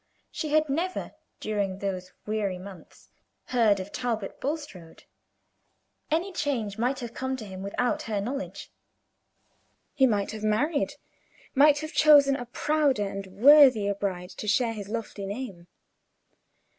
She had never, during those weary months, heard of Talbot Bulstrode. Any change might have come to him without her knowledge. Page 53 He might have married might have chosen a prouder and worthier bride to share his lofty name.